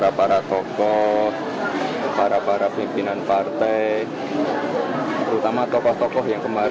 abis ini open house berarti bisa untuk semuanya mas